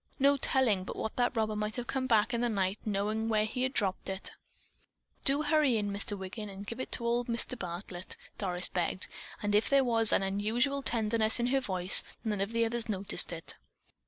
"No telling but what that robber might have come back in the night, knowing where he had dropped it." "Do hurry in, Mr. Wiggin, and give it to old Mr. Bartlett," Doris begged, and if there was an unusual tenseness in her voice, none of the others noticed it.